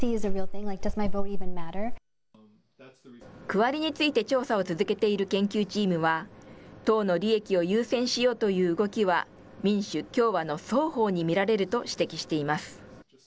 区割りについて調査を続けている研究チームは、党の利益を優先しようという動きは民主、共和の双方に見られると指摘しています。